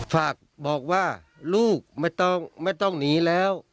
ฝากบอกว่าลูกไม่ต้องหนีแล้ว